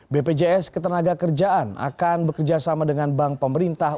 bpjs ketenaga kerjaan akan bekerjasama dengan bank pemerintah